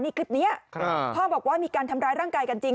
นี่คลิปนี้พ่อบอกว่ามีการทำร้ายร่างกายกันจริง